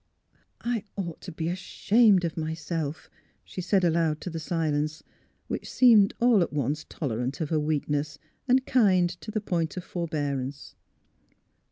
'' I ought to be ashamed of myself," she said aloud to the silence, which seemed all at once tolerant of her weakness and kind, to the point of forbearance.